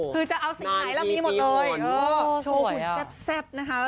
คือจะเอาสีไหนเรามีหมดเลยโชว์หุ่นแซ่บนะคะ